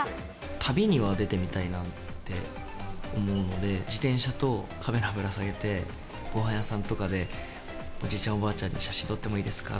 旅には出てみたいなって思うので、自転車とカメラをぶら下げて、ごはん屋さんとかで、おじいちゃん、おばあちゃんに写真撮ってもいいですか？